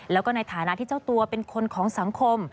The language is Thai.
แล้วก็ในฐานะที่เจ้าตัวเป็นคนของสังคม